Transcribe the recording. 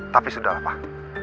tapi sudah lah pak